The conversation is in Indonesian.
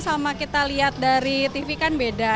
sama kita lihat dari tv kan beda